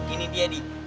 ini dia di